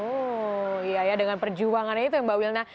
oh iya ya dengan perjuangannya itu ya mbak wilna